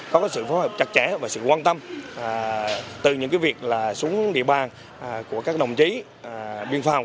có sự phối hợp chặt chẽ và sự quan tâm từ những việc xuống địa bàn của các đồng chí biên phòng